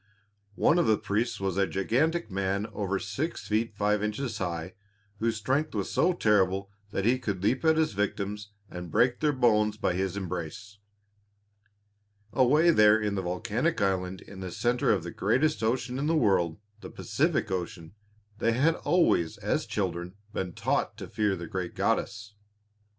One of the priests was a gigantic man over six feet five inches high, whose strength was so terrible that he could leap at his victims and break their bones by his embrace. Away there in the volcanic island in the centre of the greatest ocean in the world the Pacific Ocean they had always as children been taught to fear the great goddess.